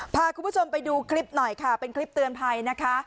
พาคุณผู้ชมไปดูคลิปหน่อยค่ะเป็นคลิปเตือนภัยนะคะ